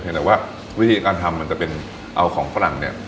แต่ว่าวิธีการทำมันจะเป็นเอาของฝรั่งเนี่ย